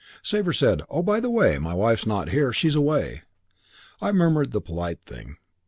"Sabre said, 'Oh, by the way, my wife's not here. She's away.' "I murmured the polite thing.